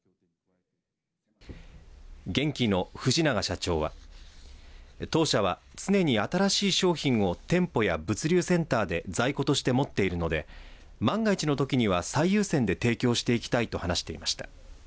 ゲンキーの藤永社長は当初は常に新しい商品を店舗や物流センターで在庫として持っているので万が一のときには最優先で提供していきたいと話していました。